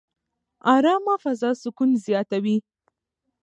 ارامه فضا سکون زیاتوي.